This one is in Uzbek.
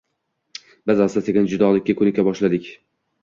Biz asta-sekin judolikka koʻnika boshladik